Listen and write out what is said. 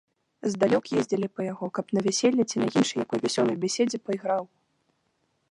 Здалёк ездзілі па яго, каб на вяселлі ці на іншай якой вясёлай бяседзе пайграў.